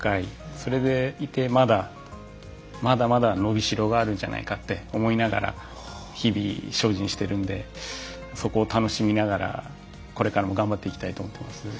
それでいてまだまだまだ伸びしろがあるんじゃないかって思いながら日々精進してるんでそこを楽しみながらこれからも頑張っていきたいと思ってます。